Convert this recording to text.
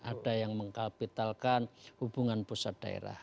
ada yang mengkapitalkan hubungan pusat daerah